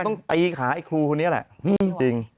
ต้องตีขาคุณคุณนี้แหละจริง